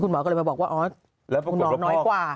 คุณหมอมาบอกว่าน้ำน้อยกว่า